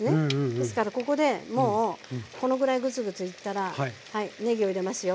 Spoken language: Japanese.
ですからここでもうこのぐらいグツグツいったらねぎを入れますよ。